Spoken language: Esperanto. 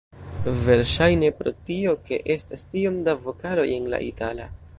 Verŝajne pro tio, ke estas tiom da vokaloj en la itala.